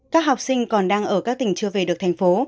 các học sinh còn đang ở các tỉnh chưa về được thành phố